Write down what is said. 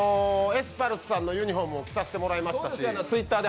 エスパルスさんのユニフォームも着させていただきました。